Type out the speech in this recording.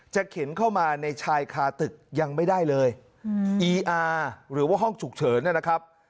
เข็นเข้ามาในชายคาตึกยังไม่ได้เลยอีอาร์หรือว่าห้องฉุกเฉินนะครับ